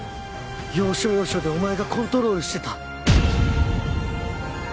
要所要所でお前がコントロールしてた。